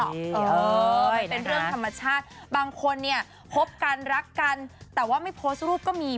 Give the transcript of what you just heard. มันเป็นเรื่องธรรมชาติบางคนเนี่ยคบกันรักกันแต่ว่าไม่โพสต์รูปก็มี